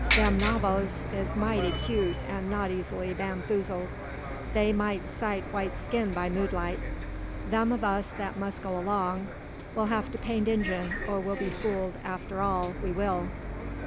Them Navaghs is mighty 'cute and not easily bamfoozled. They mout sight white skin by moonlight. Them o' us that must go along 'll have to paint Injun, or we'll be fooled arter all; we will."